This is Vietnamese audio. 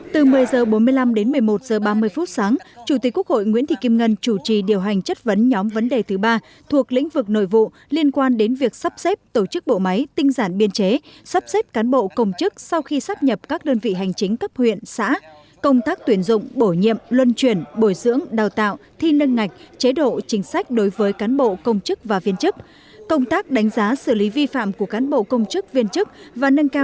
từ một mươi h bốn mươi năm đến một mươi một h ba mươi phút sáng chủ tịch quốc hội nguyễn thị kim ngân chủ trì điều hành chất vấn nhóm vấn đề thứ ba thuộc lĩnh vực nội vụ liên quan đến việc sắp xếp tổ chức bộ máy tinh giản biên chế sắp xếp cán bộ công chức sau khi sắp nhập các đơn vị hành chính cấp huyện xã công tác tuyển dụng bổ nhiệm luân chuyển bồi dưỡng đào tạo thi nâng ngạch chế độ chính sách đối với cán bộ công chức và viên chức công tác đánh giá xử lý vi phạm của cán bộ công chức viên chức và nâng ca